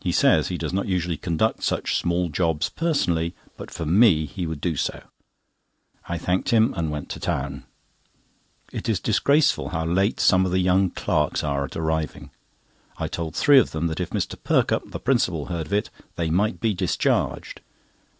He says he does not usually conduct such small jobs personally, but for me he would do so. I thanked him, and went to town. It is disgraceful how late some of the young clerks are at arriving. I told three of them that if Mr. Perkupp, the principal, heard of it, they might be discharged.